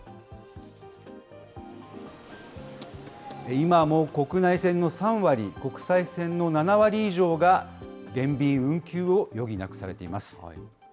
今も国内線の３割、国際線の７割以上が減便・運休を余儀なくされています。